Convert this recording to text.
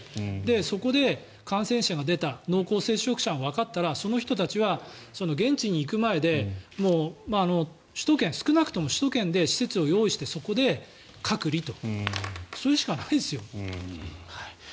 そこで感染者が出た濃厚接触者もわかったらその人たちは現地に行く前に少なくとも首都圏で施設を用意してそこで隔離と。